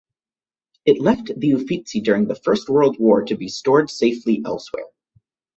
It left the Uffizi during the First World War to be stored safely elsewhere.